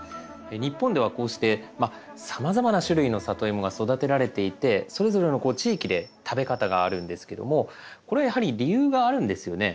日本ではこうしてさまざまな種類のサトイモが育てられていてそれぞれのこう地域で食べ方があるんですけどもこれはやはり理由があるんですよね？